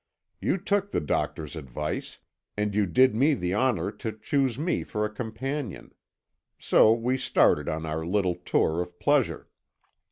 You took the doctor's advice, and you did me the honour to choose me for a companion. So we started on our little tour of pleasure.